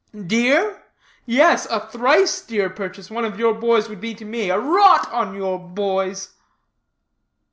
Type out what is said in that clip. "Dear? Yes, a thrice dear purchase one of your boys would be to me. A rot on your boys!"